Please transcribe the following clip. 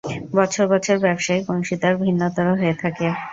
বছর বছর ব্যবসায়িক অংশীদার ভিন্নতর হয়ে থাকে।